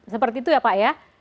seperti itu ya pak ya